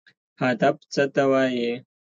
هدف څه ته وایي؟